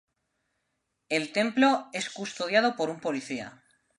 El templo es custodiado por un policía.